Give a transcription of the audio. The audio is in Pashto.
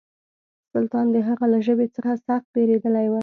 سلطان د هغه له ژبې څخه سخت بېرېدلی و.